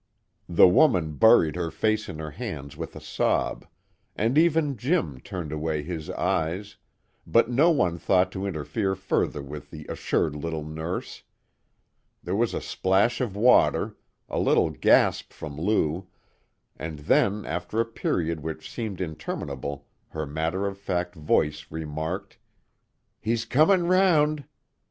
The woman buried her face in her hands with a sob, and even Jim turned away his eyes, but no one thought to interfere further with the assured little nurse. There was a splash of water, a little gasp from Lou, and then after a period which seemed interminable her matter of fact voice remarked: "He's comin' round."